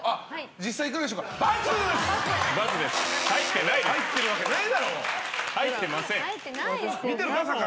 実際いかがでしょうか？